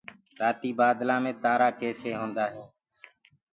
رآتيٚ بآدلآ مي تآرآ ڪيسي هوندآ هينٚ